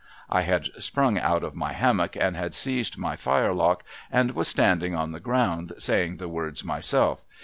I had sprung out of my hammock, and had seized my firelock, and was standing on the ground, saying the words myself.